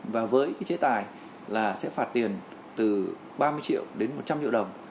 và với cái chế tài là sẽ phạt tiền từ ba mươi triệu đến một trăm linh triệu đồng